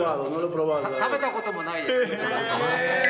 食べたこともないです。